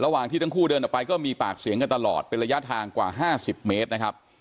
ที่ทั้งคู่เดินออกไปก็มีปากเสียงกันตลอดเป็นระยะทางกว่า๕๐เมตรนะครับ